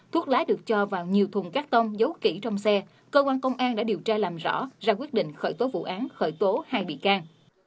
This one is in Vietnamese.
thuốc lá được cho vào nhiều thùng cắt tông dấu kỹ trong xe cơ quan công an đã điều tra làm rõ ra quyết định khởi tố vụ án khởi tố hai bị can